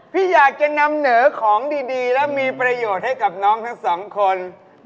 พี่อยากจะนำเหนอของดีและมีประโยชน์ให้กับน้องทั้งสองคน